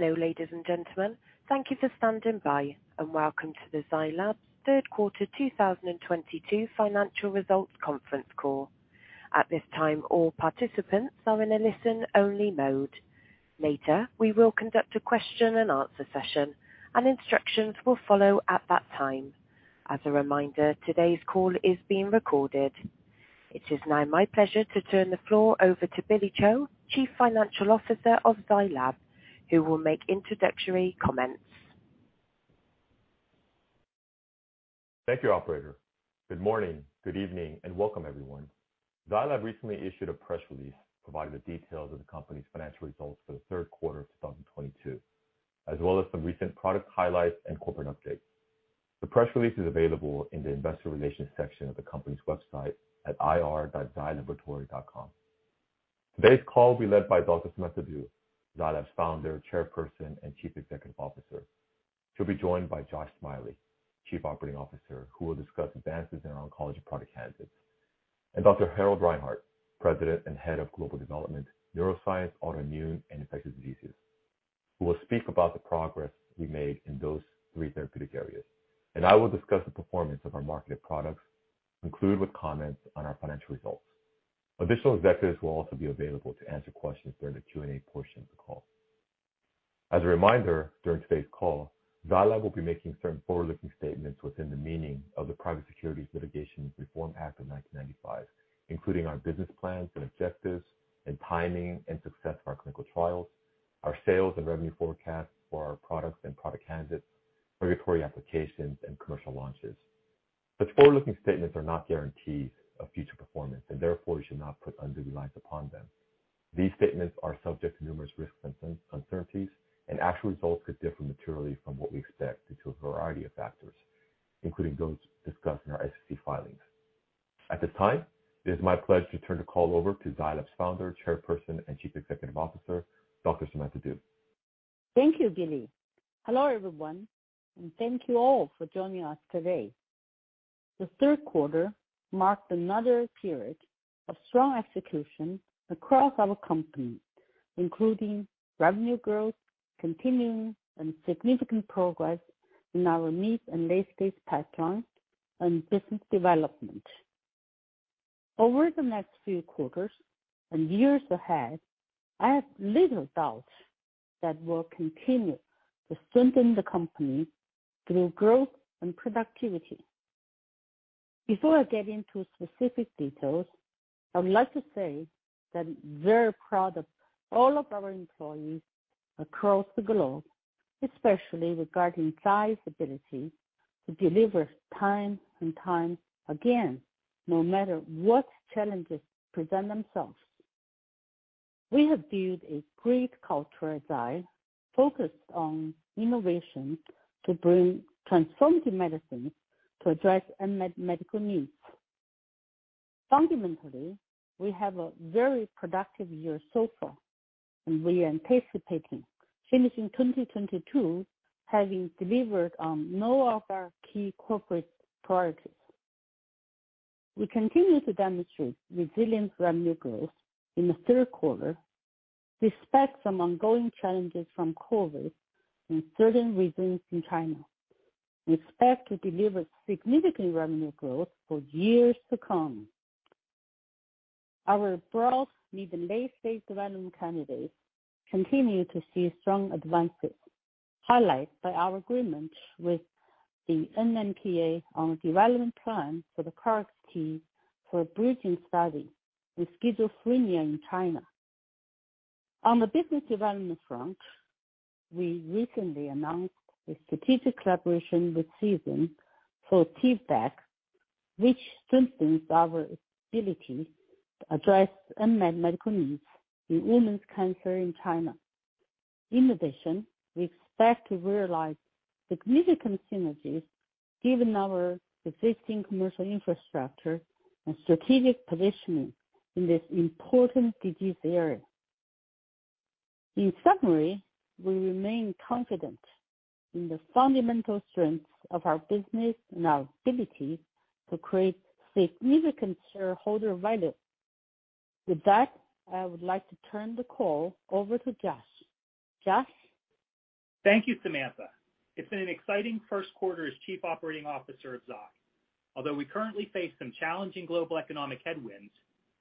Hello, ladies and gentlemen. Thank you for standing by, and welcome to the Zai Lab Third Quarter 2022 Financial Results Conference Call. At this time, all participants are in a listen-only mode. Later, we will conduct a question and answer session, and instructions will follow at that time. As a reminder, today's call is being recorded. It is now my pleasure to turn the floor over to Billy Cho, Chief Financial Officer of Zai Lab, who will make introductory comments. Thank you, operator. Good morning, good evening, and welcome everyone. Zai Lab recently issued a press release providing the details of the company's financial results for the third quarter of 2022, as well as some recent product highlights and corporate updates. The press release is available in the investor relations section of the company's website at ir.zailaboratory.com. Today's call will be led by Dr. Samantha Du, Zai Lab's Founder, Chairperson, and Chief Executive Officer. She'll be joined by Josh Smiley, Chief Operating Officer, who will discuss advances in our oncology product candidates. Dr. Harald Reinhart, President and Head of Global Development, Neuroscience, Autoimmune, and Infectious Diseases, who will speak about the progress we made in those three therapeutic areas. I will discuss the performance of our marketed products, conclude with comments on our financial results. Additional executives will also be available to answer questions during the Q&A portion of the call. As a reminder, during today's call, Zai Lab will be making certain forward-looking statements within the meaning of the Private Securities Litigation Reform Act of 1995, including our business plans and objectives and timing and success of our clinical trials, our sales and revenue forecasts for our products and product candidates, regulatory applications, and commercial launches. These forward-looking statements are not guarantees of future performance, and therefore you should not put undue reliance upon them. These statements are subject to numerous risks and uncertainties, and actual results could differ materially from what we expect due to a variety of factors, including those discussed in our SEC filings. At this time, it is my pleasure to turn the call over to Zai Lab's Founder, Chairperson, and Chief Executive Officer, Dr. Samantha Du. Thank you, Billy. Hello, everyone, and thank you all for joining us today. The third quarter marked another period of strong execution across our company, including revenue growth, continuing and significant progress in our NDA's and late-stage pipeline and business development. Over the next few quarters and years ahead, I have little doubt that we'll continue to strengthen the company through growth and productivity. Before I get into specific details, I would like to say that I'm very proud of all of our employees across the globe, especially regarding Zai's ability to deliver time and time again, no matter what challenges present themselves. We have built a great culture at Zai focused on innovation to bring transformative medicines to address unmet medical needs. Fundamentally, we have a very productive year so far, and we are anticipating finishing 2022 having delivered on all of our key corporate priorities. We continue to demonstrate resilient revenue growth in the third quarter, despite some ongoing challenges from COVID in certain regions in China. We expect to deliver significant revenue growth for years to come. Our broad late stage development candidates continue to see strong advances, highlighted by our agreement with the NMPA on development plan for the KarXT for a bridging study with schizophrenia in China. On the business development front, we recently announced a strategic collaboration with Seagen for TIVDAK, which strengthens our ability to address unmet medical needs in women's cancer in China. In addition, we expect to realize significant synergies given our existing commercial infrastructure and strategic positioning in this important disease area. In summary, we remain confident in the fundamental strengths of our business and our ability to create significant shareholder value. With that, I would like to turn the call over to Josh. Josh? Thank you, Samantha. It's been an exciting first quarter as Chief Operating Officer of Zai. Although we currently face some challenging global economic headwinds,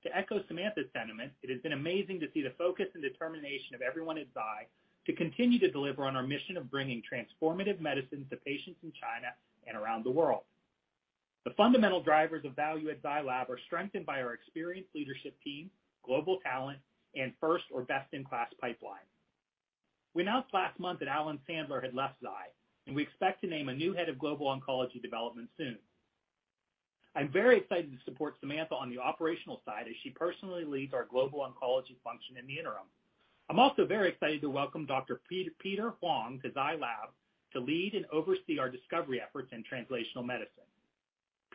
to echo Samantha's sentiment, it has been amazing to see the focus and determination of everyone at Zai to continue to deliver on our mission of bringing transformative medicines to patients in China and around the world. The fundamental drivers of value at Zai Lab are strengthened by our experienced leadership team, global talent, and first or best-in-class pipeline. We announced last month that Alan Sandler had left Zai, and we expect to name a new head of global oncology development soon. I'm very excited to support Samantha on the operational side as she personally leads our global oncology function in the interim. I'm also very excited to welcome Dr. Peter Huang to Zai Lab to lead and oversee our discovery efforts in translational medicine.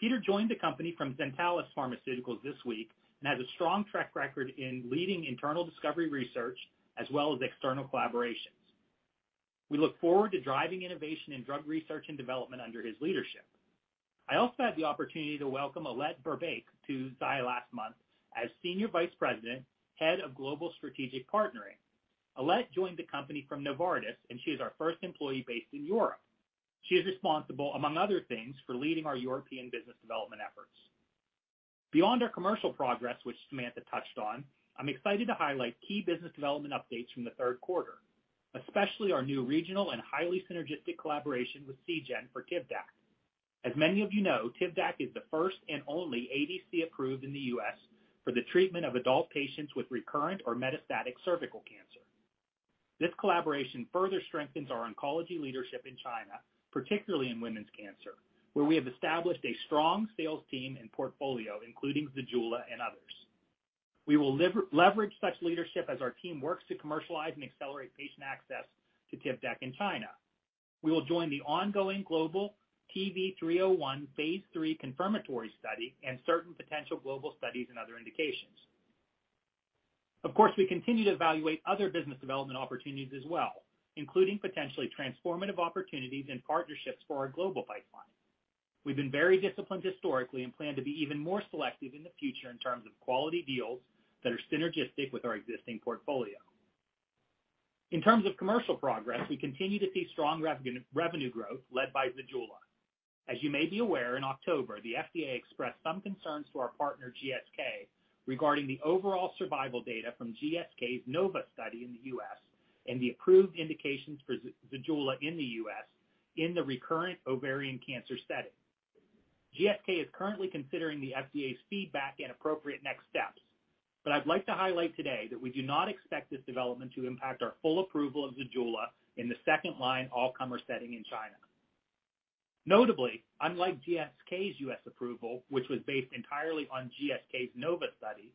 Peter joined the company from Zentalis Pharmaceuticals this week and has a strong track record in leading internal discovery research as well as external collaborations. We look forward to driving innovation in drug research and development under his leadership. I also had the opportunity to welcome Alette Verbeek to Zai last month as Senior Vice President, Head of Global Strategic Partnering. Alette joined the company from Novartis, and she is our first employee based in Europe. She is responsible, among other things, for leading our European business development efforts. Beyond our commercial progress, which Samantha touched on, I'm excited to highlight key business development updates from the third quarter, especially our new regional and highly synergistic collaboration with Seagen for TIVDAK. As many of you know, TIVDAK is the first and only ADC approved in the U.S. for the treatment of adult patients with recurrent or metastatic cervical cancer. This collaboration further strengthens our oncology leadership in China, particularly in women's cancer, where we have established a strong sales team and portfolio, including ZEJULA and others. We will leverage such leadership as our team works to commercialize and accelerate patient access to TIVDAK in China. We will join the ongoing global TV 301 phase III confirmatory study and certain potential global studies and other indications. Of course, we continue to evaluate other business development opportunities as well, including potentially transformative opportunities and partnerships for our global pipeline. We've been very disciplined historically and plan to be even more selective in the future in terms of quality deals that are synergistic with our existing portfolio. In terms of commercial progress, we continue to see strong revenue growth led by ZEJULA. As you may be aware, in October, the FDA expressed some concerns to our partner, GSK, regarding the overall survival data from GSK's NOVA study in the U.S. and the approved indications for Zejula in the U.S. in the recurrent ovarian cancer setting. GSK is currently considering the FDA's feedback and appropriate next steps, but I'd like to highlight today that we do not expect this development to impact our full approval of Zejula in the second-line all-comer setting in China. Notably, unlike GSK's U.S. approval, which was based entirely on GSK's NOVA study,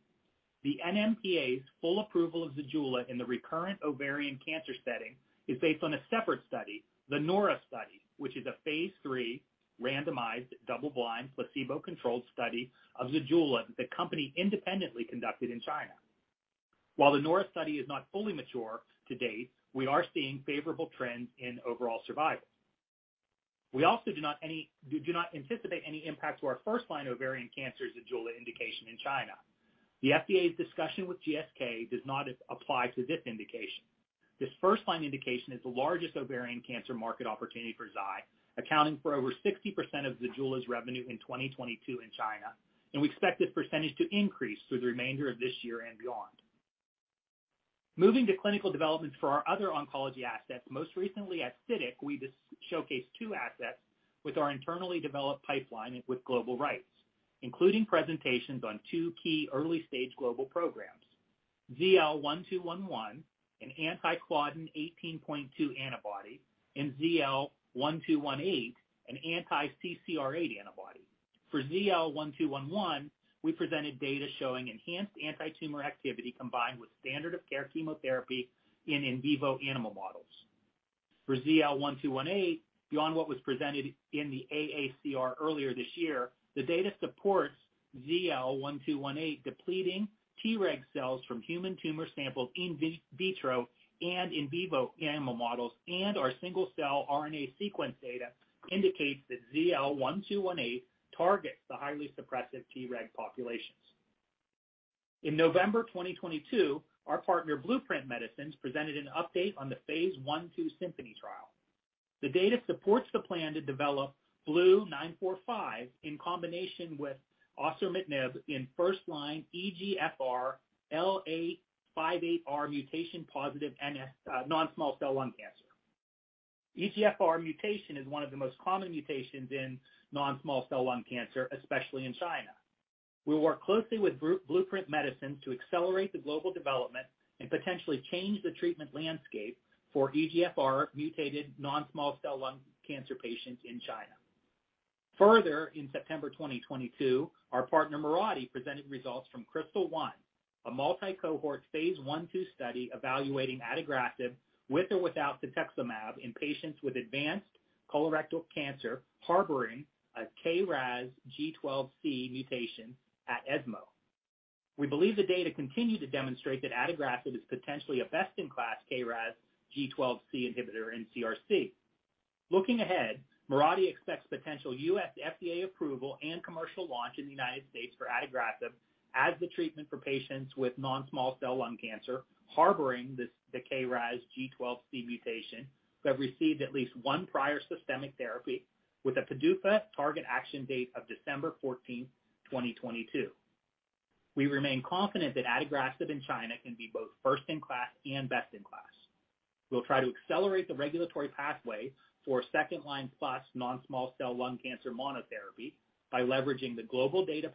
the NMPA's full approval of Zejula in the recurrent ovarian cancer setting is based on a separate study, the NORA study, which is a phase III randomized double-blind placebo-controlled study of Zejula that the company independently conducted in China. While the NORA study is not fully mature to date, we are seeing favorable trends in overall survival. We also do not anticipate any impact to our first-line ovarian cancer ZEJULA indication in China. The FDA's discussion with GSK does not apply to this indication. This first-line indication is the largest ovarian cancer market opportunity for Zai, accounting for over 60% of ZEJULA's revenue in 2022 in China, and we expect this percentage to increase through the remainder of this year and beyond. Moving to clinical developments for our other oncology assets, most recently at SITC, we showcased two assets with our internally developed pipeline with global rights, including presentations on two key early stage global programs. ZL1211, an anti-Claudin 18.2 antibody, and ZL1218, an anti-CCR8 antibody. For ZL1211, we presented data showing enhanced antitumor activity combined with standard of care chemotherapy in vivo animal models. For ZL-1218, beyond what was presented in the AACR earlier this year, the data supports ZL-1218 depleting Treg cells from human tumor samples in vitro and in vivo animal models, and our single-cell RNA sequence data indicates that ZL-1218 targets the highly suppressive Treg populations. In November 2022, our partner Blueprint Medicines presented an update on the phase I/II SYMPHONY trial. The data supports the plan to develop BLU-945 in combination with osimertinib in first-line EGFR L858R mutation-positive non-small cell lung cancer. EGFR mutation is one of the most common mutations in non-small cell lung cancer, especially in China. We work closely with Blueprint Medicines to accelerate the global development and potentially change the treatment landscape for EGFR mutated non-small cell lung cancer patients in China. Further, in September 2022, our partner Mirati presented results from KRYSTAL-1, a multi-cohort phase I/II study evaluating adagrasib with or without cetuximab in patients with advanced colorectal cancer harboring a KRAS G12C mutation at ESMO. We believe the data continue to demonstrate that adagrasib is potentially a best-in-class KRAS G12C inhibitor in CRC. Looking ahead, Mirati expects potential U.S. FDA approval and commercial launch in the United States for adagrasib as the treatment for patients with non-small cell lung cancer harboring this, the KRAS G12C mutation, who have received at least one prior systemic therapy with a PDUFA target action date of December 14, 2022. We remain confident that adagrasib in China can be both first in class and best in class. We'll try to accelerate the regulatory pathway for second-line plus non-small cell lung cancer monotherapy by leveraging the global data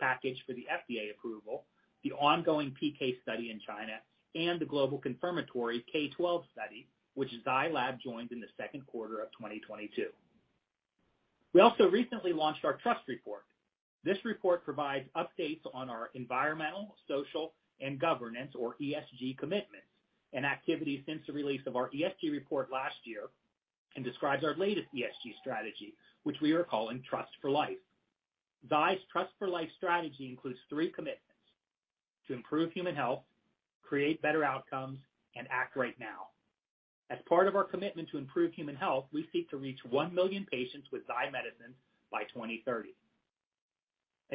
package for the FDA approval, the ongoing PK study in China, and the global confirmatory KRYSTAL-12 study, which Zai Lab joined in the second quarter of 2022. We also recently launched our Trust report. This report provides updates on our environmental, social, and governance, or ESG, commitments and activities since the release of our ESG report last year and describes our latest ESG strategy, which we are calling Trust for Life. Zai's Trust for Life strategy includes three commitments to improve human health, create better outcomes, and act right now. As part of our commitment to improve human health, we seek to reach 1 million patients with Zai medicines by 2030.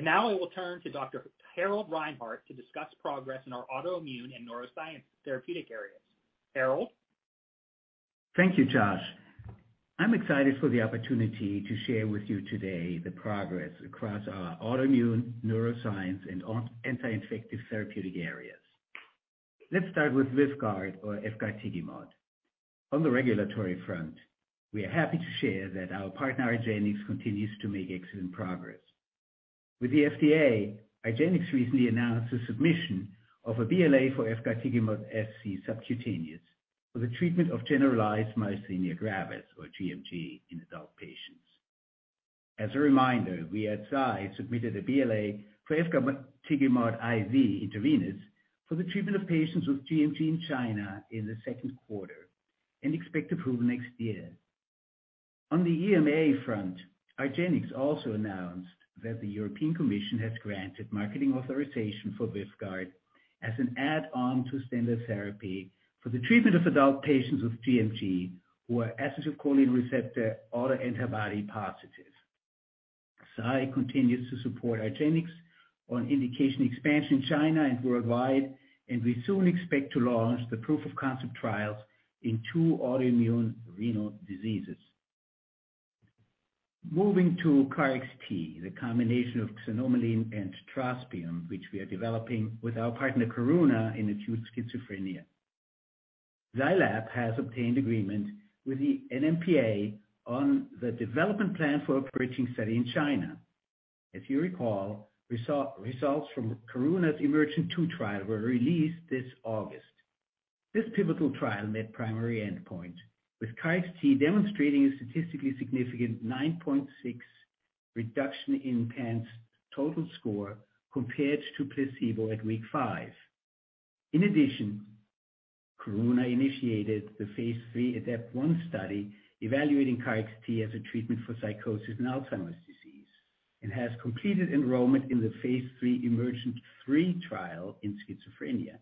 Now I will turn to Dr. Harald Reinhart to discuss progress in our autoimmune and neuroscience therapeutic areas. Harald. Thank you, Josh. I'm excited for the opportunity to share with you today the progress across our autoimmune, neuroscience, and anti-infective therapeutic areas. Let's start with Vyvgart or efgartigimod. On the regulatory front, we are happy to share that our partner, argenx, continues to make excellent progress. With the FDA, argenx recently announced the submission of a BLA for efgartigimod SC subcutaneous for the treatment of generalized myasthenia gravis or gMG in adult patients. As a reminder, we at Zai Lab submitted a BLA for efgartigimod IV intravenous for the treatment of patients with gMG in China in the second quarter and expect approval next year. On the EMA front, argenx also announced that the European Commission has granted marketing authorization for Vyvgart as an add-on to standard therapy for the treatment of adult patients with gMG who are acetylcholine receptor autoantibody positive. Zai continues to support VYVGART on indication expansion in China and worldwide, and we soon expect to launch the proof of concept trials in two autoimmune renal diseases. Moving to KarXT, the combination of xanomeline and trospium, which we are developing with our partner Karuna in acute schizophrenia. Zai Lab has obtained agreement with the NMPA on the development plan for a bridging study in China. If you recall, results from Karuna's EMERGENT-2 trial were released this August. This pivotal trial met primary endpoint, with KarXT demonstrating a statistically significant 9.6 reduction in PANSS total score compared to placebo at week five. In addition, Karuna initiated the phase III ADEPT-1 study evaluating KarXT as a treatment for psychosis in Alzheimer's disease, and has completed enrollment in the phase III EMERGENT-3 trial in schizophrenia.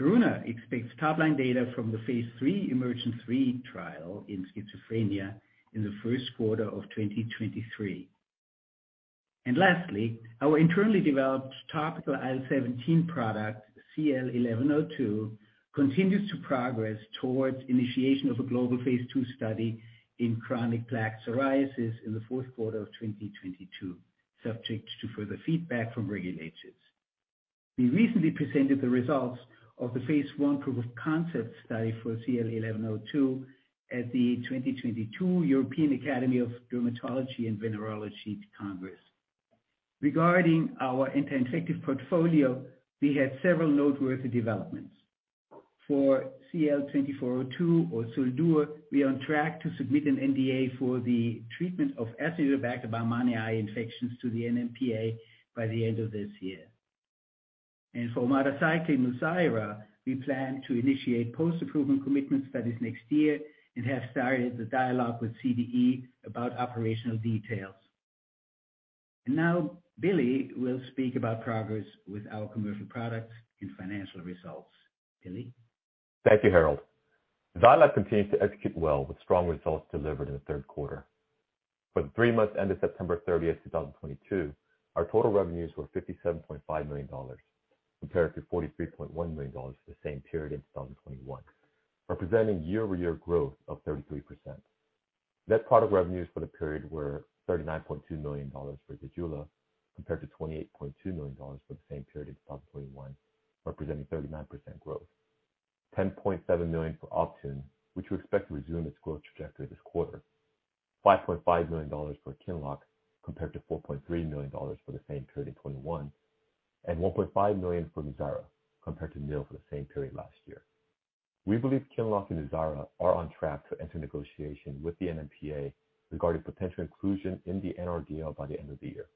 Karuna expects top-line data from the phase III EMERGENT-3 trial in schizophrenia in the first quarter of 2023. Lastly, our internally developed topical IL-17 product, ZL-1102, continues to progress towards initiation of a global phase II study in chronic plaque psoriasis in the fourth quarter of 2022, subject to further feedback from regulators. We recently presented the results of the phase I proof of concept study for ZL-1102 at the 2022 European Academy of Dermatology and Venereology Congress. Regarding our anti-infective portfolio, we had several noteworthy developments. For ZL-2402 or XACDURO, we are on track to submit an NDA for the treatment of Acinetobacter baumannii infections to the NMPA by the end of this year. For omadacycline, NUZYRA, we plan to initiate post-approval commitments for this next year and have started the dialogue with CDE about operational details. Now Billy will speak about progress with our commercial products and financial results. Billy. Thank you, Harald. Zai Lab continues to execute well with strong results delivered in the third quarter. For the three months ended September 30, 2022, our total revenues were $57.5 million, compared to $43.1 million for the same period in 2021, representing year-over-year growth of 33%. Net product revenues for the period were $39.2 million for ZEJULA, compared to $28.2 million for the same period in 2021, representing 39% growth. $10.7 million for Optune, which we expect to resume its growth trajectory this quarter. $5.5 million for Qinlock, compared to $4.3 million for the same period in 2021, and $1.5 million for NUZYRA, compared to nil for the same period last year. We believe Qinlock and NUZYRA are on track to enter negotiation with the NMPA regarding potential inclusion in the NRDL by the end of the year.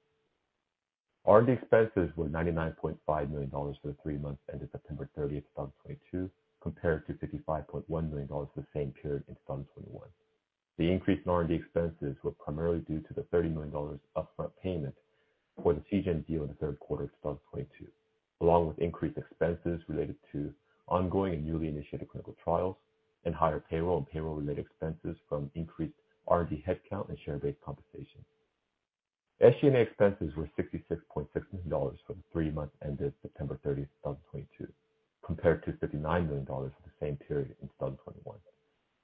R&D expenses were $99.5 million for the three months ended September 30, 2022, compared to $55.1 million for the same period in 2021. The increase in R&D expenses were primarily due to the $30 million upfront payment for the Seagen deal in the third quarter of 2022, along with increased expenses related to ongoing and newly initiated clinical trials and higher payroll and payroll-related expenses from increased R&D head count and share-based compensation. SG&A expenses were $66.6 million for the three months ended September 30, 2022, compared to $59 million for the same period in 2021.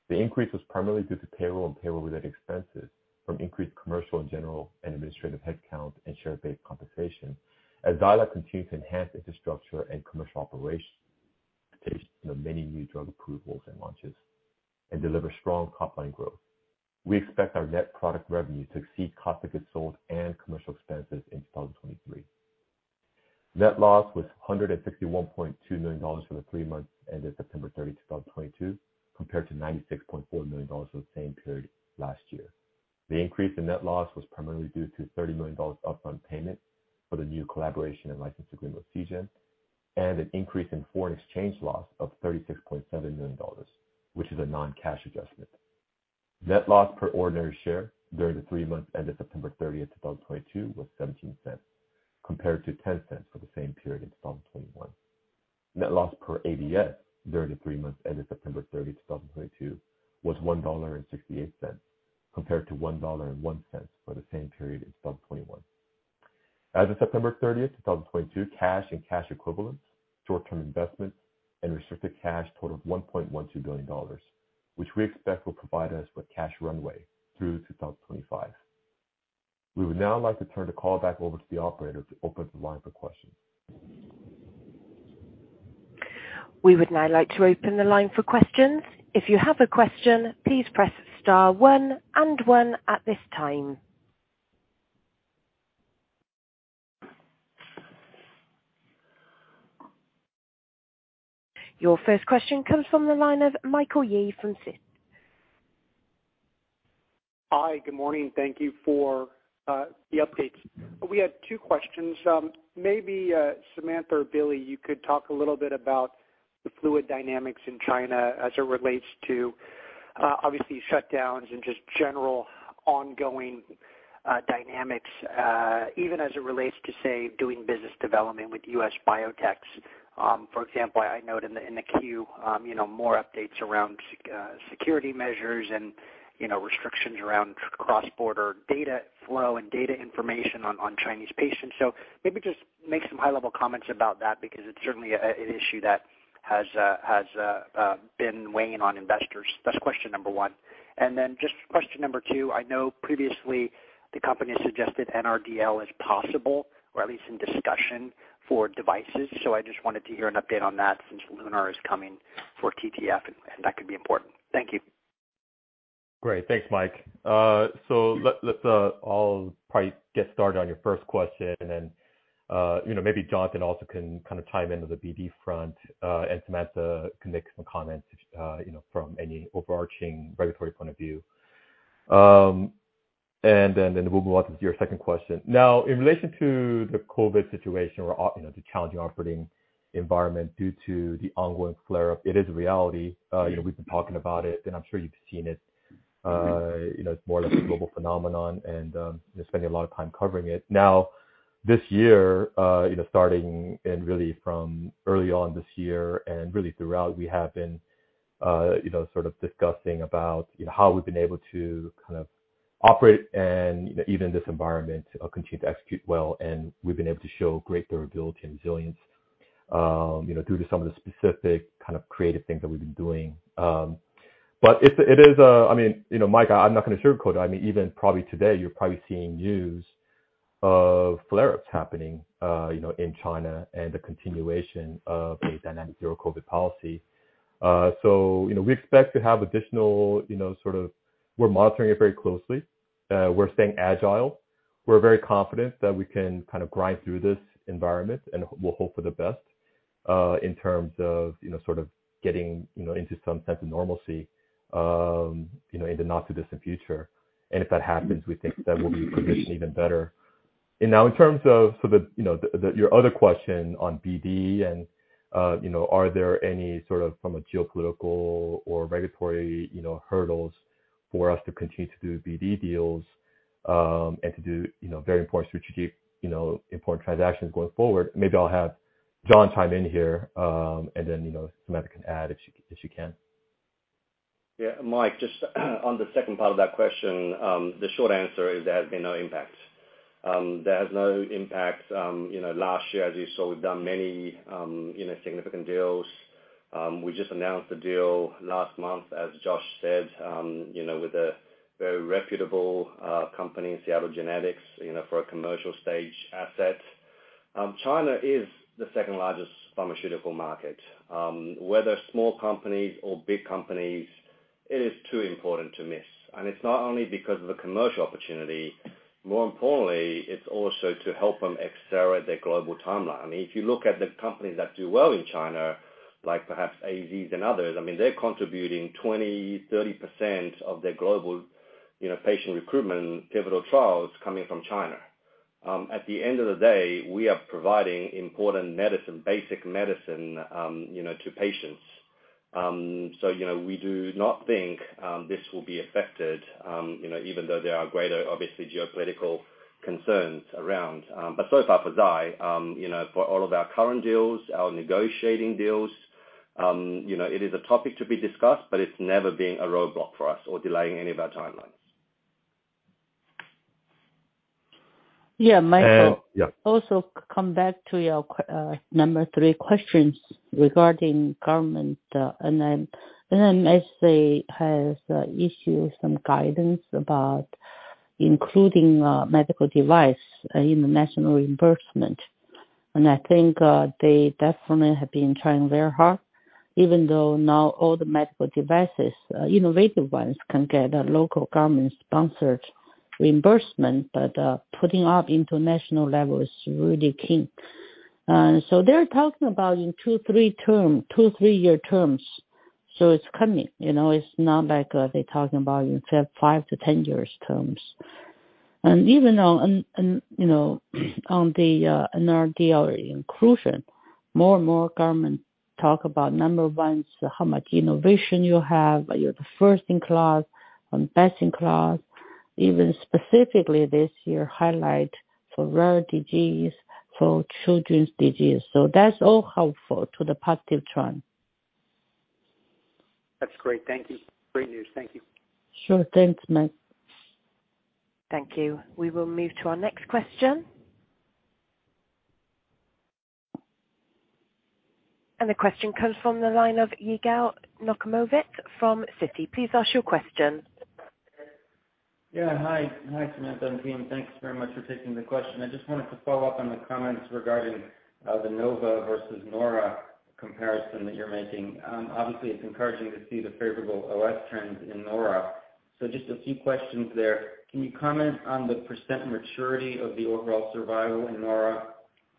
The increase was primarily due to payroll and payroll-related expenses from increased commercial and general and administrative headcount and share-based compensation as Zai Lab continues to enhance infrastructure and commercial operations for the many new drug approvals and launches, and deliver strong top-line growth. We expect our net product revenue to exceed cost of goods sold and commercial expenses in 2023. Net loss was $161.2 million for the three months ended September 30, 2022, compared to $96.4 million for the same period last year. The increase in net loss was primarily due to $30 million upfront payment for the new collaboration and license agreement with Seagen, and an increase in foreign exchange loss of $36.7 million, which is a non-cash adjustment. Net loss per ordinary share during the three months ended September 30, 2022 was $0.17, compared to $0.10 for the same period in 2021. Net loss per ADS during the three months ended September 30, 2022 was $1.68, compared to $1.01 for the same period in 2021. As of September 30, 2022, cash and cash equivalents, short-term investments and restricted cash total $1.12 billion, which we expect will provide us with cash runway through 2025. We would now like to turn the call back over to the operator to open the line for questions. We would now like to open the line for questions. If you have a question, please press star one and one at this time. Your first question comes from the line of Michael Yee from Jefferies. Hi. Good morning. Thank you for the updates. We had two questions. Maybe Samantha or Billy, you could talk a little bit about the fluid dynamics in China as it relates to obviously shutdowns and just general ongoing dynamics even as it relates to say doing business development with U.S. biotechs. For example, I note in the 10-Q, you know, more updates around security measures and, you know, restrictions around cross-border data flow and data information on Chinese patients. So maybe just make some high-level comments about that because it's certainly an issue that has been weighing on investors. That's question number one. Just question number two. I know previously the company suggested NRDL is possible or at least in discussion for devices. I just wanted to hear an update on that since LUNAR is coming for TTFields and that could be important. Thank you. Great. Thanks, Mike. Let's I'll probably get started on your first question and then, you know, maybe Jonathan also can kind of chime in on the BD front, and Samantha can make some comments, you know, from any overarching regulatory point of view. We'll move on to your second question. Now, in relation to the COVID situation or, the challenging operating environment due to the ongoing flare-up, it is reality. We've been talking about it and I'm sure you've seen it. It's more like a global phenomenon and, you're spending a lot of time covering it. Now, this year, you know, starting and really from early on this year and really throughout, we have been, you know, sort of discussing about, you know, how we've been able to kind of operate and even this environment continue to execute well. We've been able to show great durability and resilience, you know, due to some of the specific kind of creative things that we've been doing. But it is. I mean, you know, Mike, I'm not gonna sugarcoat it. I mean, even probably today you're probably seeing news of flare-ups happening, you know, in China and the continuation of a dynamic zero-COVID policy. So, you know, we expect to have additional, you know, sort of, we're monitoring it very closely. We're staying agile. We're very confident that we can kind of grind through this environment and we'll hope for the best in terms of, you know, sort of getting, you know, into some sense of normalcy, you know, in the not too distant future. If that happens, we think that we'll be positioned even better. Now in terms of your other question on BD and, you know, are there any sort of geopolitical or regulatory, you know, hurdles for us to continue to do BD deals, and to do, you know, very important strategic, you know, important transactions going forward. Maybe I'll have Jonathan chime in here, and then, you know, Samantha can add if she can. Yeah. Mike, just on the second part of that question, the short answer is there has been no impact. You know, last year as you saw we've done many, you know, significant deals. We just announced the deal last month, as Josh said, you know, with a very reputable company, Seagen, you know, for a commercial stage asset. China is the second-largest pharmaceutical market. Whether small companies or big companies, it is too important to miss. It's not only because of the commercial opportunity, more importantly, it's also to help them accelerate their global timeline. I mean, if you look at the companies that do well in China, like perhaps AstraZeneca's and others, I mean, they're contributing 20%-30% of their global, you know, patient recruitment pivotal trials coming from China. At the end of the day, we are providing important medicine, basic medicine, you know, to patients. We do not think this will be affected, you know, even though there are greater, obviously geopolitical concerns around. So far for Zai, you know, for all of our current deals, our negotiating deals, you know, it is a topic to be discussed, but it's never been a roadblock for us or delaying any of our timelines. Yeah, Michael. Yeah. Come back to your number three questions regarding government, NHSA has issued some guidance about including medical device in the national reimbursement. I think they definitely have been trying very hard even though now all the medical devices, innovative ones can get a local government sponsored reimbursement. But putting up international level is really key. So they're talking about in two to three year terms. So it's coming, you know, it's not like they're talking about in five to 10 years terms. Even though on, you know, on the NRDL inclusion, more and more government talk about number ones, how much innovation you have, are you the first in class or best in class. Even specifically this year, highlight for rare disease, for children's disease. So that's all helpful to the positive trend. That's great. Thank you. Great news. Thank you. Sure. Thanks, Mike. Thank you. We will move to our next question. The question comes from the line of Yigal Nochomovitz from Citi. Please ask your question. Yeah, hi. Hi, Samantha and team. Thanks very much for taking the question. I just wanted to follow up on the comments regarding the NOVA versus NORA comparison that you're making. Obviously, it's encouraging to see the favorable OS trends in NORA. Just a few questions there. Can you comment on the percent maturity of the overall survival in NORA?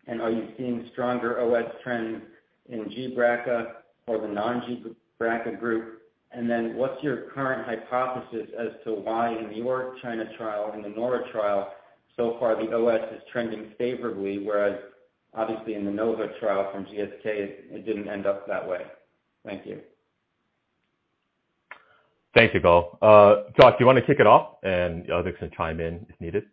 And are you seeing stronger OS trends in gBRCA or the non-gBRCA group? And then what's your current hypothesis as to why in your China trial, in the NORA trial, so far the OS is trending favorably, whereas obviously in the NOVA trial from GSK, it didn't end up that way. Thank you. Thank you, Yigal. Josh, do you want to kick it off and others can chime in if needed?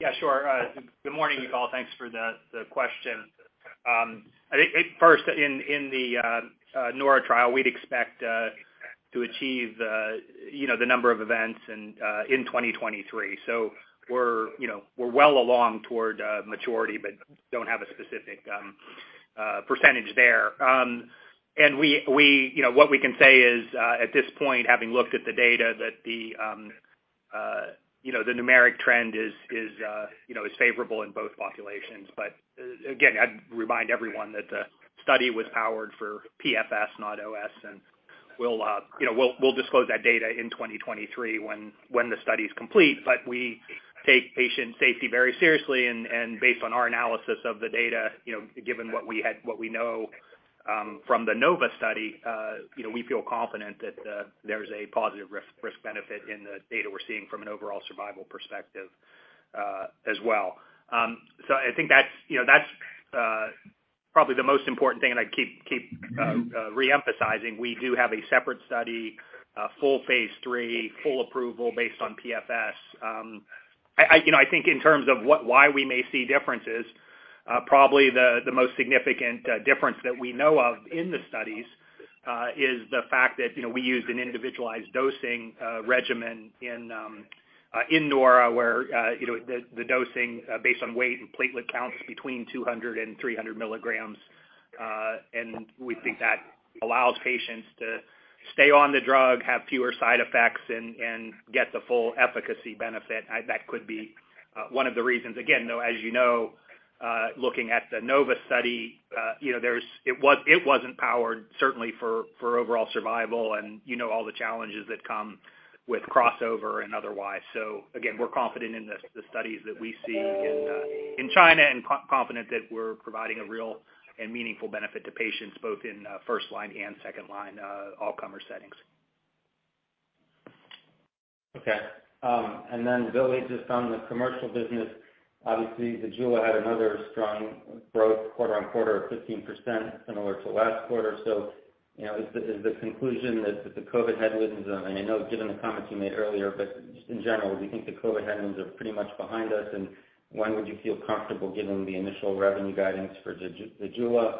Yeah, sure. Good morning, Yigal. Thanks for the question. I think first, in the NORA trial, we'd expect to achieve, you know, the number of events and in 2023. We're you know well along toward maturity, but don't have a specific percentage there. We you know what we can say is at this point, having looked at the data that the you know the numeric trend is you know favorable in both populations. Again, I'd remind everyone that the study was powered for PFS, not OS. We'll you know disclose that data in 2023 when the study is complete. We take patient safety very seriously, and based on our analysis of the data, you know, given what we had, what we know, from the NOVA study, you know, we feel confident that, there's a positive risk benefit in the data we're seeing from an overall survival perspective, as well. So I think that's, you know, probably the most important thing, and I keep re-emphasizing, we do have a separate study, full phase III, full approval based on PFS. You know, I think in terms of what, why we may see differences, probably the most significant difference that we know of in the studies is the fact that, you know, we used an individualized dosing regimen in NORA, where, you know, the dosing based on weight and platelet counts between 200 and 300 milligrams. And we think that allows patients to stay on the drug, have fewer side effects and get the full efficacy benefit. That could be one of the reasons. Again, though, as you know, looking at the NOVA study, you know, there's, it was, it wasn't powered certainly for overall survival and, you know, all the challenges that come with crossover and otherwise. Again, we're confident in the studies that we see in China and confident that we're providing a real and meaningful benefit to patients both in first line and second line allcomer settings. Okay. Billy, just on the commercial business, obviously ZEJULA had another strong growth quarter-over-quarter of 15% similar to last quarter. You know, is the conclusion that the COVID headwinds, and I know given the comments you made earlier, but just in general, do you think the COVID headwinds are pretty much behind us? And when would you feel comfortable giving the initial revenue guidance for ZEJULA?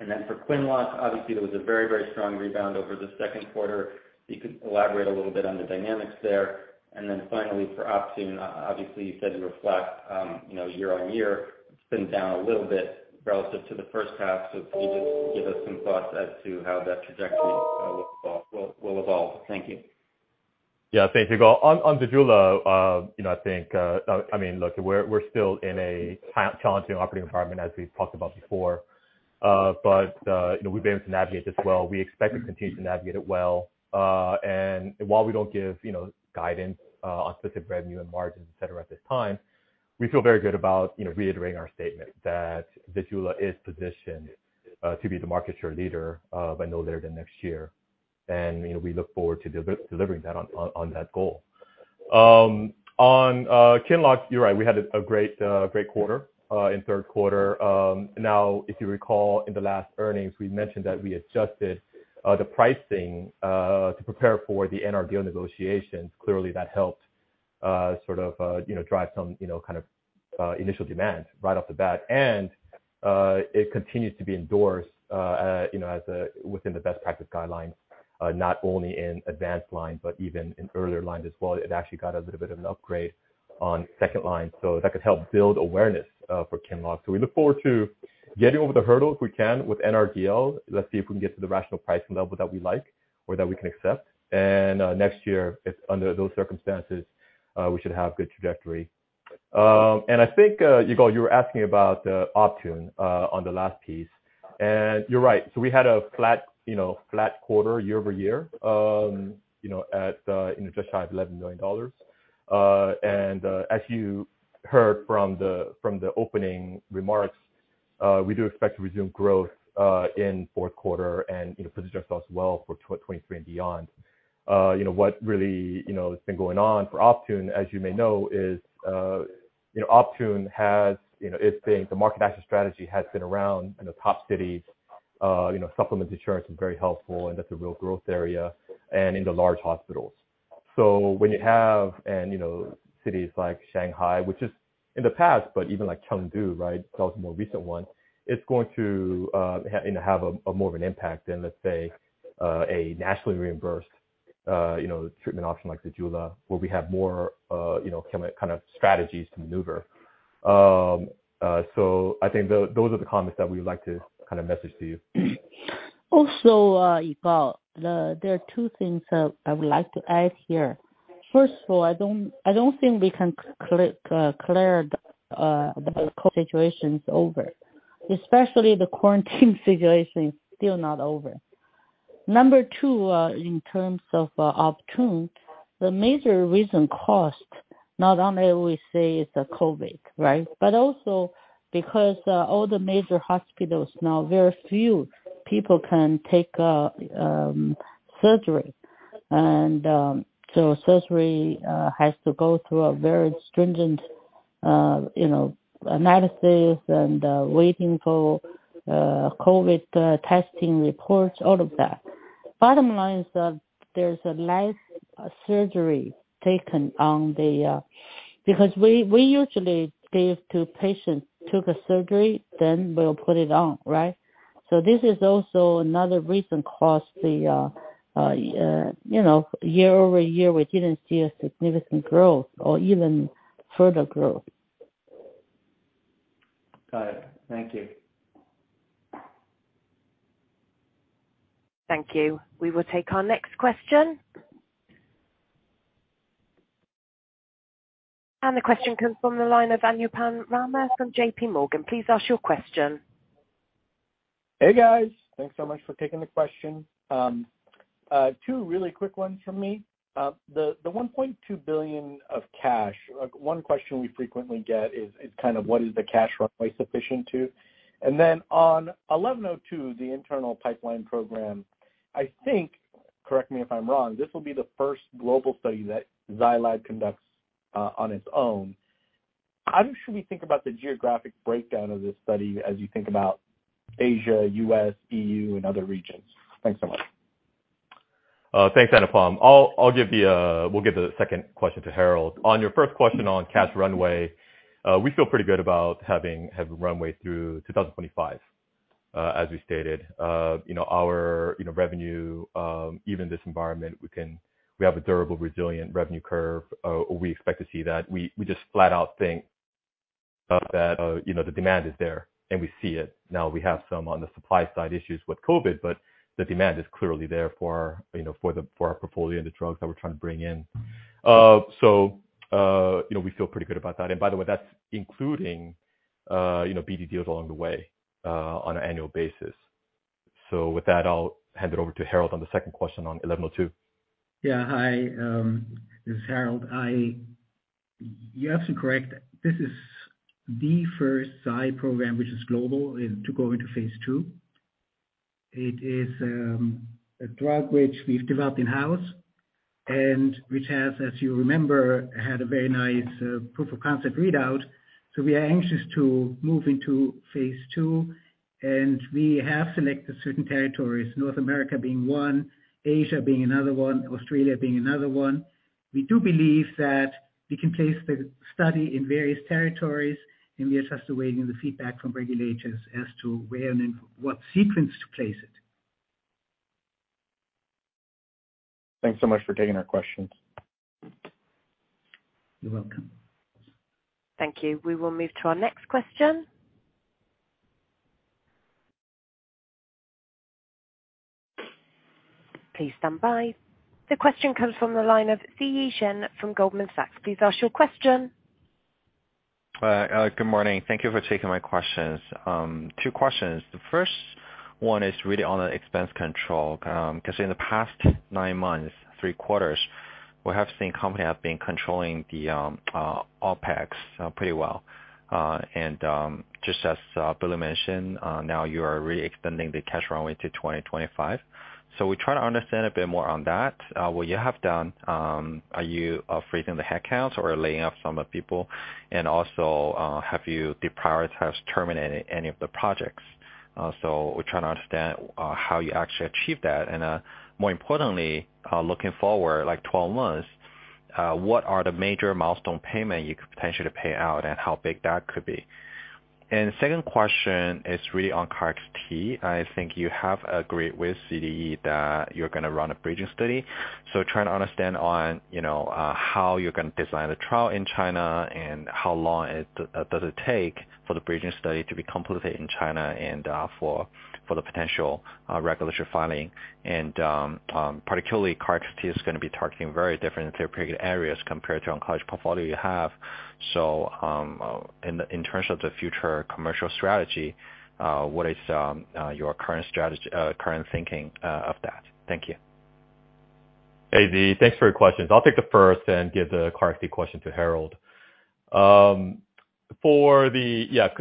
And then for Qinlock, obviously there was a very, very strong rebound over the second quarter. If you could elaborate a little bit on the dynamics there. And then finally for Optune, obviously you said you reflect, you know, year-over-year, it's been down a little bit relative to the first half. So can you just give us some thoughts as to how that trajectory will evolve? Thank you. Yeah. Thank you, Yigal. On ZEJULA, you know, I think, I mean, look, we're still in a challenging operating environment as we've talked about before. You know, we've been able to navigate this well. We expect to continue to navigate it well. While we don't give, you know, guidance on specific revenue and margins, et cetera, at this time, we feel very good about, you know, reiterating our statement that ZEJULA is positioned to be the market share leader by no later than next year. You know, we look forward to delivering that on that goal. On Qinlock, you're right, we had a great quarter in third quarter. Now, if you recall in the last earnings, we mentioned that we adjusted the pricing to prepare for the NRDL negotiations. Clearly, that helped sort of you know kind of initial demand right off the bat. It continues to be endorsed you know as a within the best practice guidelines not only in advanced line, but even in earlier lines as well. It actually got a little bit of an upgrade on second line, so that could help build awareness for Qinlock. We look forward to getting over the hurdle if we can with NRDL. Let's see if we can get to the rational pricing level that we like or that we can accept. Next year, if under those circumstances, we should have good trajectory. I think Yigal, you were asking about Optune on the last piece, and you're right. We had a flat, you know, flat quarter year-over-year, you know, at just shy of $11 million. And as you heard from the opening remarks, we do expect to resume growth in fourth quarter and position ourselves well for 2023 and beyond. You know, what really has been going on for Optune, as you may know, is Optune has, you know, it's been the market access strategy has been around in the top cities, you know, supplement insurance is very helpful, and that's a real growth area, and in the large hospitals. When you have you know, cities like Shanghai, which is in the past, but even like Chengdu, right? It's going to you know, have a more of an impact than, let's say, a nationally reimbursed you know, treatment option like St. Jude, where we have more you know, kind of strategies to maneuver. I think those are the comments that we would like to kind of message to you. Yigal Nochomovitz, there are 2 things that I would like to add here. First of all, I don't think we can claim the COVID situation is over, especially the quarantine situation is still not over. Number 2, in terms of Optune, the major reason is cost, not only we say it's the COVID, right? Also because all the major hospitals now, very few people can take surgery. So surgery has to go through a very stringent, you know, analysis and waiting for COVID testing reports, all of that. Bottom line is that there's less surgery taken on the. Because we usually say if the patients took a surgery, then we'll put it on, right? This is also another reason, you know, year-over-year, we didn't see a significant growth or even further growth. Got it. Thank you. Thank you. We will take our next question. The question comes from the line of Anupam Rama from JPMorgan. Please ask your question. Hey, guys. Thanks so much for taking the question. Two really quick ones from me. The $1.2 billion of cash, one question we frequently get is kind of what is the cash runway sufficient to? And then on ZL-1102, the internal pipeline program, I think, correct me if I'm wrong, this will be the first global study that Zai Lab conducts on its own. How should we think about the geographic breakdown of this study as you think about Asia, U.S., E.U., and other regions? Thanks so much. Thanks, Anupam. We'll give the second question to Harald. On your first question on cash runway, we feel pretty good about having runway through 2025, as we stated. You know, our revenue, even this environment, we have a durable, resilient revenue curve, we expect to see that. We just flat out think that, you know, the demand is there, and we see it. Now, we have some on the supply side issues with COVID, but the demand is clearly there for our portfolio and the drugs that we're trying to bring in. We feel pretty good about that. By the way, that's including, you know, BD deals along the way, on an annual basis. With that, I'll hand it over to Harald on the second question on 1102. Yeah. Hi, this is Harald. You're absolutely correct. This is the first Xy program, which is global, is to go into phase II. It is a drug which we've developed in-house and which has, as you remember, had a very nice proof of concept readout. We are anxious to move into phase II, and we have selected certain territories, North America being one, Asia being another one, Australia being another one. We do believe that we can place the study in various territories, and we are just awaiting the feedback from regulators as to where and in what sequence to place it. Thanks so much for taking our questions. You're welcome. Thank you. We will move to our next question. Please stand by. The question comes from the line of Ziyi Chen from Goldman Sachs. Please ask your question. Good morning. Thank you for taking my questions. Two questions. The first one is really on the expense control, 'cause in the past nine months, three quarters, we have seen company have been controlling the OpEx pretty well. Just as Billy mentioned, now you are really extending the cash runway to 2025. We try to understand a bit more on that. What you have done, are you freezing the headcounts or laying off some of the people? And also, have you deprioritized terminating any of the projects? We're trying to understand how you actually achieve that. And more importantly, looking forward, like 12 months, what are the major milestone payment you could potentially pay out and how big that could be? Second question is really on KarXT. I think you have agreed with CDE that you're gonna run a bridging study. Trying to understand on, you know, how you're gonna design the trial in China and how long does it take for the bridging study to be completed in China and for the potential regulatory filing. Particularly, KarXT is gonna be targeting very different therapeutic areas compared to oncology portfolio you have. In terms of the future commercial strategy, what is your current thinking of that? Thank you. Hey, Ziyi. Thanks for your questions. I'll take the first and give the KarXT question to Harald.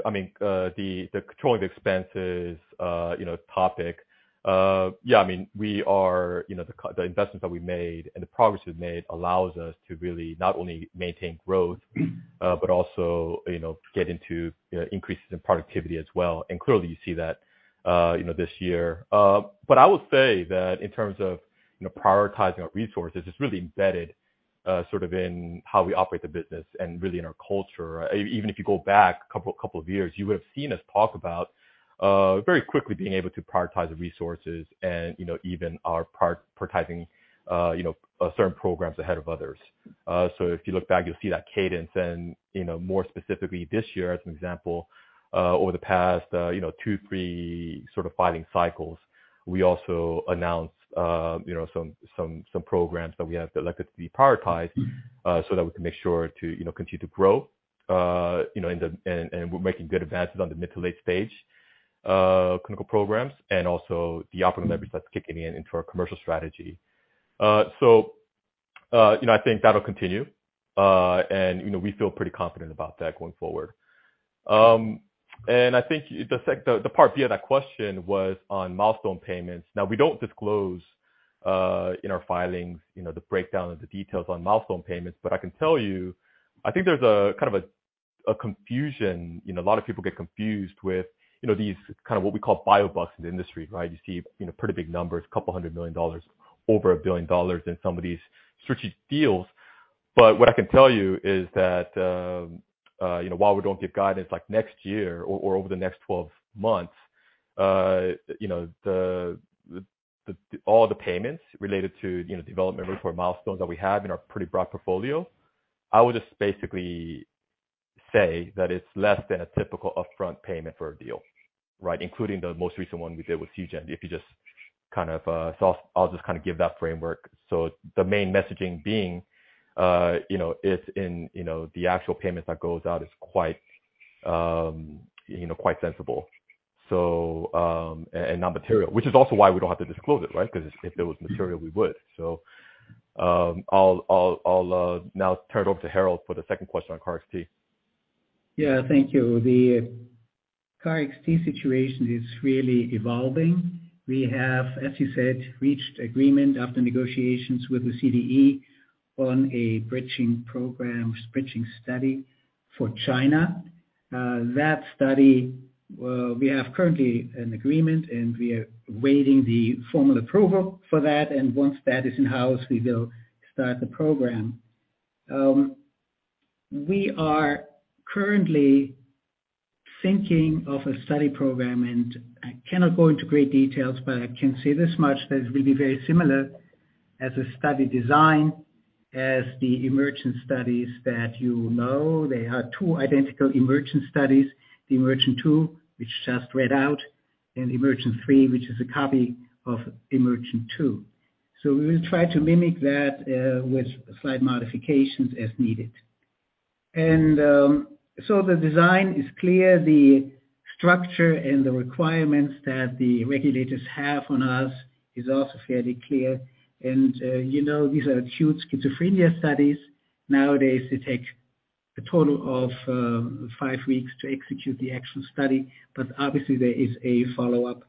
I mean, the controlling the expenses, you know, topic. I mean, we are, you know, the investments that we made and the progress we've made allows us to really not only maintain growth, but also, you know, get into increases in productivity as well. Clearly you see that, you know, this year. But I would say that in terms of, you know, prioritizing our resources, it's really embedded, sort of in how we operate the business and really in our culture. Even if you go back a couple of years, you would have seen us talk about very quickly being able to prioritize the resources and, you know, even our prioritizing certain programs ahead of others. If you look back, you'll see that cadence and, you know, more specifically this year as an example, over the past two, three sort of filing cycles. We also announced some programs that we have elected to be prioritized so that we can make sure to, you know, continue to grow, you know, and we're making good advances on the mid to late stage clinical programs and also the optimal members that's kicking in into our commercial strategy. You know, I think that'll continue. You know, we feel pretty confident about that going forward. I think the second, the Part B of that question was on milestone payments. Now, we don't disclose in our filings, you know, the breakdown of the details on milestone payments, but I can tell you, I think there's a kind of a confusion. You know, a lot of people get confused with, you know, these kind of what we call biobucks in the industry, right? You see, you know, pretty big numbers, $200 million, over $1 billion in some of these strategic deals. What I can tell you is that, you know, while we don't give guidance like next year or over the next 12 months, you know, all the payments related to, you know, development or milestones that we have in our pretty broad portfolio, I would just basically say that it's less than a typical upfront payment for a deal, right? Including the most recent one we did with Seagen. If you just kind of. So I'll just kinda give that framework. The main messaging being, you know, it's in, you know, the actual payment that goes out is quite, you know, quite sensible. And non-material, which is also why we don't have to disclose it, right? 'Cause if it was material, we would. I'll now turn it over to Harald for the second question on KarXT. Yeah. Thank you. The KarXT situation is really evolving. We have, as you said, reached agreement after negotiations with the CDE on a bridging program, bridging study for China. That study, we have currently an agreement, and we are waiting the formal approval for that, and once that is in-house, we will start the program. We are currently thinking of a study program, and I cannot go into great details, but I can say this much, that it will be very similar as a study design as the EMERGENT studies that you know. There are two identical EMERGENT studies, the EMERGENT-2, which just read out, and EMERGENT-3, which is a copy of EMERGENT-2. We will try to mimic that, with slight modifications as needed. The design is clear. The structure and the requirements that the regulators have on us is also fairly clear. You know, these are acute schizophrenia studies. Nowadays, they take a total of five weeks to execute the actual study, but obviously there is a follow-up.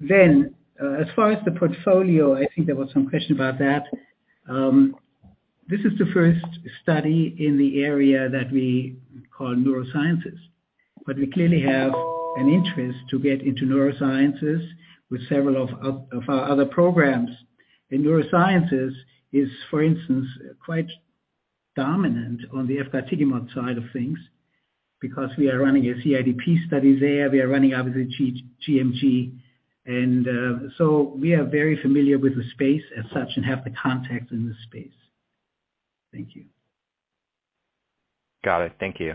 As far as the portfolio, I think there was some question about that. This is the first study in the area that we call neurosciences. We clearly have an interest to get into neurosciences with several of our other programs. Neurosciences is, for instance, quite dominant on the efgartigimod side of things because we are running a CIDP study there. We are running obviously gMG. We are very familiar with the space as such and have the context in this space. Thank you. Got it. Thank you.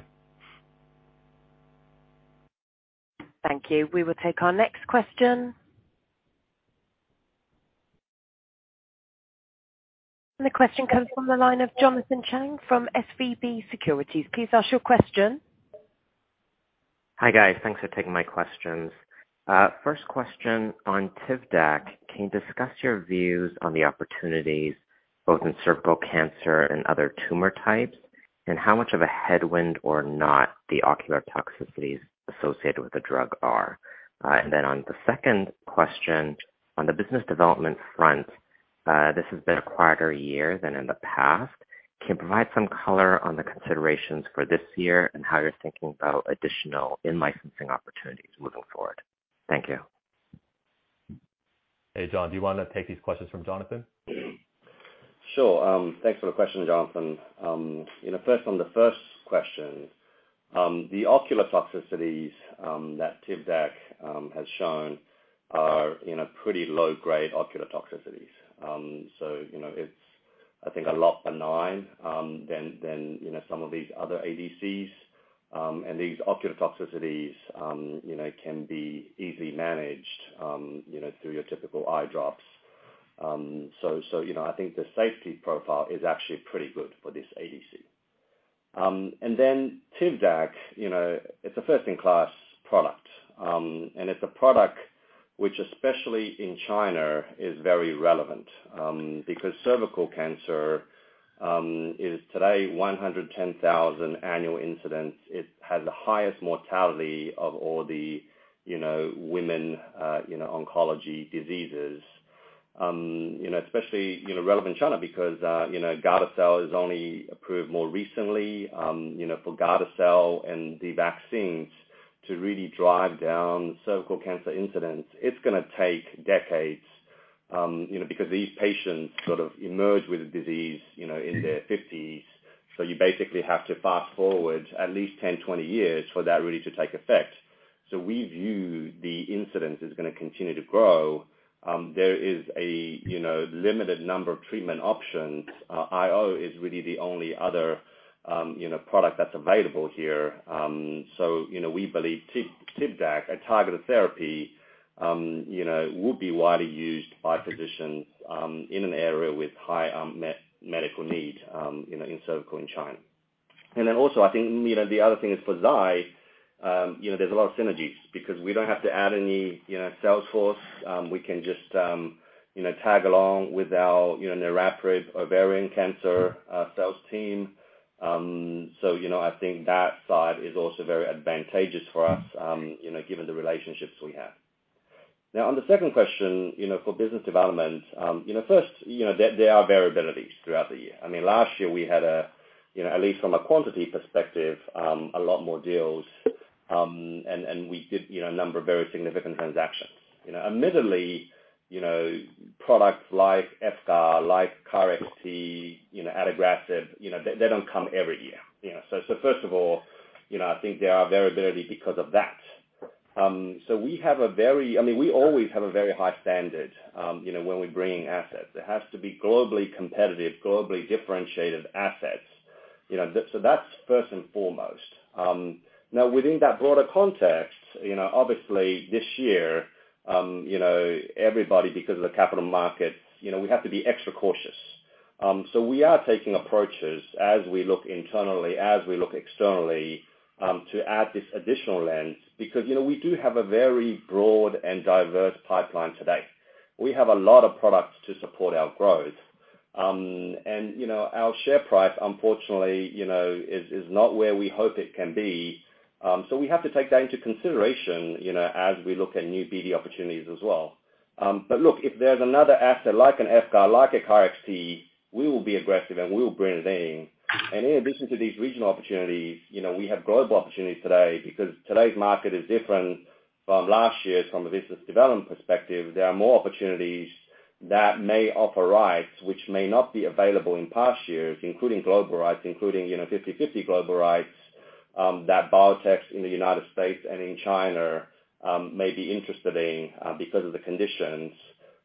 Thank you. We will take our next question. The question comes from the line of Jonathan Chang from SVB Securities. Please ask your question. Hi, guys. Thanks for taking my questions. First question on TIVDAK. Can you discuss your views on the opportunities both in cervical cancer and other tumor types, and how much of a headwind or not the ocular toxicities associated with the drug are? On the second question, on the business development front, this has been a quieter year than in the past. Can you provide some color on the considerations for this year and how you're thinking about additional in-licensing opportunities moving forward? Thank you. Hey, Jon, do you wanna take these questions from Jonathan? Sure. Thanks for the question, Jonathan. You know, first, on the first question, the ocular toxicities that TIVDAK has shown are, you know, pretty low-grade ocular toxicities. So, you know, it's, I think, a lot more benign than, you know, some of these other ADCs. And these ocular toxicities, you know, can be easily managed, you know, through your typical eye drops. So, you know, I think the safety profile is actually pretty good for this ADC. And then TIVDAK, you know, it's a first-in-class product, and it's a product which especially in China is very relevant, because cervical cancer is today 110,000 annual incidence. It has the highest mortality of all the, you know, women's, you know, oncology diseases. You know, especially relevant in China because Gardasil is only approved more recently. You know, for Gardasil and the vaccines to really drive down cervical cancer incidence, it's gonna take decades, you know, because these patients sort of emerge with the disease, you know, in their fifties. You basically have to fast-forward at least 10, 20 years for that really to take effect. We view the incidence is gonna continue to grow. There is a limited number of treatment options. IO is really the only other product that's available here. You know, we believe TIVDAK, a targeted therapy, you know, will be widely used by physicians, in an area with high medical need, you know, in cervical cancer in China. I think, you know, the other thing is for Zai, you know, there's a lot of synergies because we don't have to add any, you know, sales force. We can just, you know, tag along with our, you know, niraparib ovarian cancer sales team. You know, I think that side is also very advantageous for us, you know, given the relationships we have. Now, on the second question, you know, for business development, you know, first, you know, there are variabilities throughout the year. I mean, last year we had a, you know, at least from a quantity perspective, a lot more deals, and we did, you know, a number of very significant transactions. You know, admittedly, you know, products like efgartigimod, like KarXT, you know, adagrasib, you know, they don't come every year. You know, first of all, you know, I think there are variability because of that. I mean, we always have a very high standard, you know, when we're bringing assets. It has to be globally competitive, globally differentiated assets. You know, that's first and foremost. Now within that broader context, you know, obviously this year, you know, everybody, because of the capital market, you know, we have to be extra cautious. We are taking approaches as we look internally, as we look externally, to add this additional lens because, you know, we do have a very broad and diverse pipeline today. We have a lot of products to support our growth. You know, our share price unfortunately, you know, is not where we hope it can be. We have to take that into consideration, you know, as we look at new BD opportunities as well. Look, if there's another asset like efgartigimod, like KarXT, we will be aggressive, and we will bring it in. In addition to these regional opportunities, you know, we have global opportunities today because today's market is different from last year's from a business development perspective. There are more opportunities that may offer rights which may not be available in past years, including global rights, including, you know, 50/50 global rights, that biotechs in the United States and in China may be interested in because of the conditions.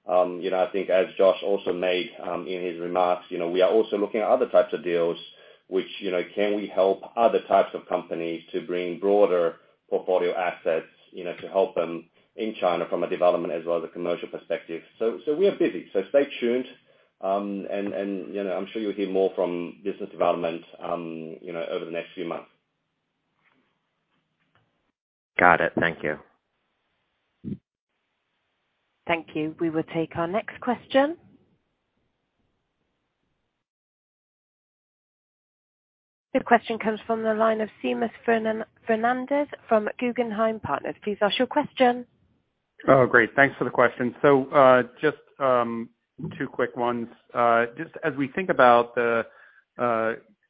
You know, I think as Josh also made in his remarks, you know, we are also looking at other types of deals which, you know, can we help other types of companies to bring broader portfolio assets, you know, to help them in China from a development as well as a commercial perspective. We are busy. Stay tuned. You know, I'm sure you'll hear more from business development, you know, over the next few months. Got it. Thank you. Thank you. We will take our next question. The question comes from the line of Seamus Fernandez from Guggenheim Partners. Please ask your question. Oh, great. Thanks for the question. Just, two quick ones. Just as we think about the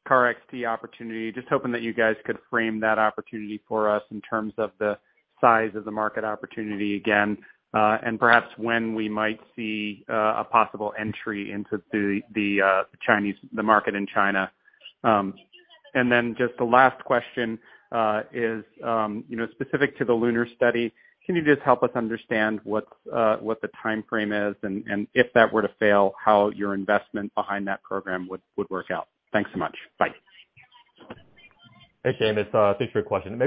KarXT opportunity, just hoping that you guys could frame that opportunity for us in terms of the size of the market opportunity again, and perhaps when we might see a possible entry into the Chinese market in China. Just the last question is, you know, specific to the LUNAR study. Can you just help us understand what the timeframe is and if that were to fail, how your investment behind that program would work out? Thanks so much. Bye. Hey, Seamus, thanks for your question.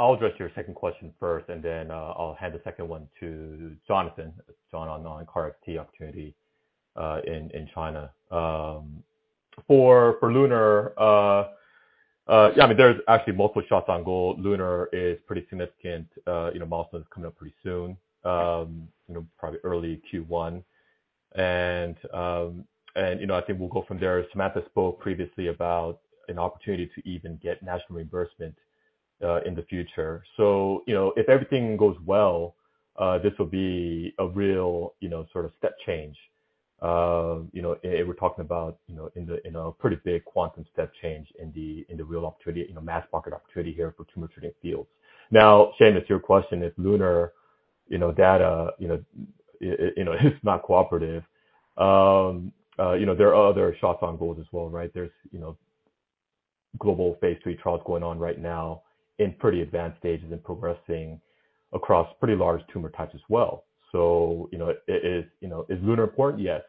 I'll address your second question first, and then I'll hand the second one to Jonathan on the KarXT opportunity in China. For LUNAR, I mean, there's actually multiple shots on goal. LUNAR is pretty significant. You know, milestone is coming up pretty soon, you know, probably early Q1. You know, I think we'll go from there. Samantha spoke previously about an opportunity to even get national reimbursement in the future. You know, if everything goes well, this will be a real, you know, sort of step change. You know, we're talking about, you know, in a pretty big quantum step change in the real opportunity, in the mass market opportunity here for Tumor Treating Fields. Now, Seamus, to your question, if LUNAR, you know, data, you know, is not cooperative, you know, there are other shots on goals as well, right? There's, you know, global phase III trials going on right now in pretty advanced stages and progressing across pretty large tumor types as well. You know, is LUNAR important? Yes.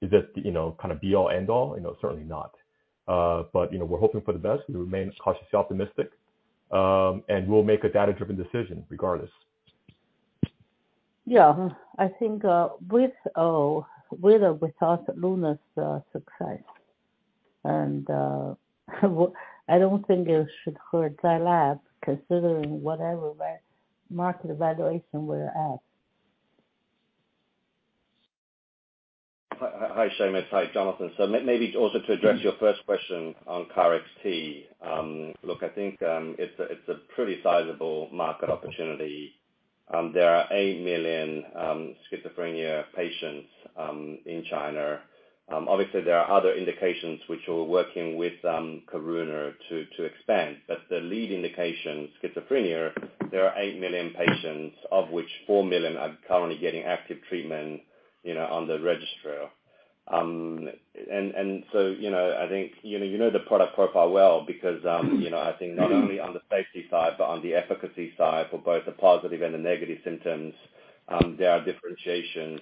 Is this, you know, kind of be all, end all? You know, certainly not. But, you know, we're hoping for the best. We remain cautiously optimistic. We'll make a data-driven decision regardless. Yeah. I think with or without LUNAR's success. I don't think it should hurt Zai Lab considering whatever market valuation we're at. Hi, Seamus. It's Jonathan. Maybe also to address your first question on KarXT. Look, I think it's a pretty sizable market opportunity. There are 8 million schizophrenia patients in China. Obviously there are other indications which we're working with Karuna to expand. The lead indication, schizophrenia, there are 8 million patients, of which 4 million are currently getting active treatment, you know, on the registry. And so, you know, I think you know the product profile well because, you know, I think not only on the safety side, but on the efficacy side for both the positive and the negative symptoms, there are differentiations.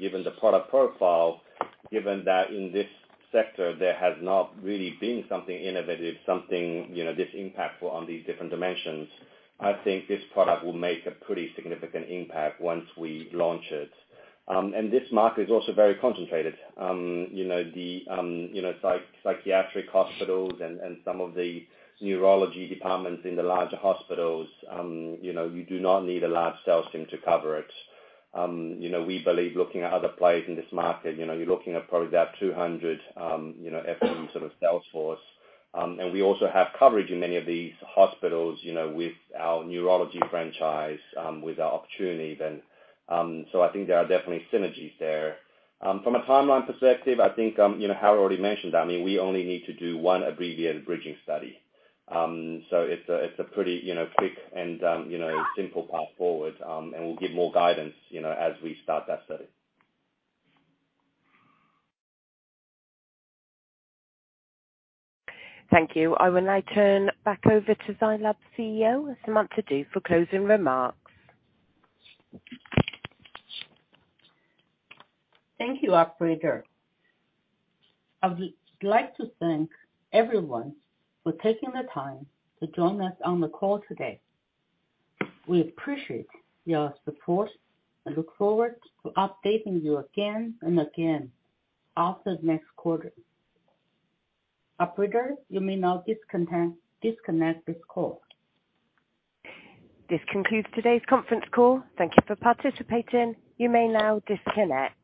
Given the product profile, given that in this sector there has not really been something innovative, something, you know, this impactful on these different dimensions, I think this product will make a pretty significant impact once we launch it. This market is also very concentrated. You know, the psychiatric hospitals and some of the neurology departments in the larger hospitals, you know, you do not need a large sales team to cover it. You know, we believe looking at other players in this market, you know, you're looking at probably about 200 FTE sort of sales force. We also have coverage in many of these hospitals, you know, with our neurology franchise, with our oncology then. I think there are definitely synergies there. From a timeline perspective, I think, you know, Harald already mentioned, I mean, we only need to do one abbreviated bridging study. It's a pretty, you know, quick and, you know, simple path forward, and we'll give more guidance, you know, as we start that study. Thank you. I will now turn back over to Zai Lab CEO, Samantha Du, for closing remarks. Thank you, operator. I would like to thank everyone for taking the time to join us on the call today. We appreciate your support and look forward to updating you again in the next quarter. Operator, you may now disconnect this call. This concludes today's conference call. Thank you for participating. You may now disconnect.